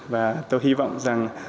và tôi hy vọng rằng